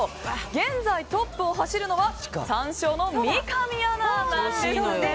現在トップを走るのは３勝の三上アナなんですね。